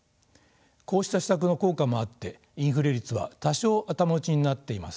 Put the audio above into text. こうした施策の効果もあってインフレ率は多少頭打ちになっています。